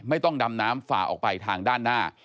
ไม่ต้องดำน้ำฝ่าออกไปทางด้านหน้า